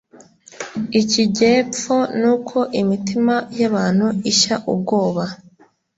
ikijyepfo nuko imitima y abantu ishya ubwoba